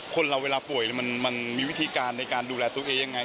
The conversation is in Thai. คนเราเวลาป่วยมันมีวิธีการในการดูแลตัวเองยังไง